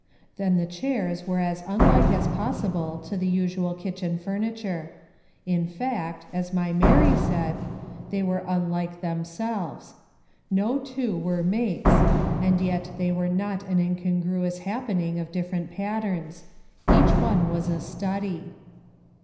Then the chairs were as unlike as possible to the usual kitchen furniture — in fact, as my Mary said, they were unlike themselves. No two were maies, and yet they were not an incon gruous happening of different patterns. Each one was a study.